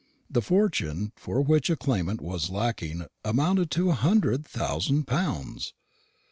The fortune for which a claimant was lacking amounted to a hundred thousand pounds!